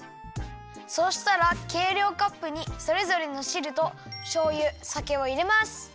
そうしたらけいりょうカップにそれぞれのしるとしょうゆさけをいれます。